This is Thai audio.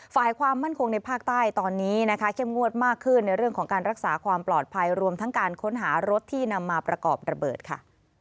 ฝ่ายความมั่นคงในภาคใต้ตอนนี้นะคะเข้มงวดมากขึ้นในเรื่องของการรักษาความปลอดภัยรวมทั้งการค้นหารถที่นำมาประกอบระเบิดค่ะ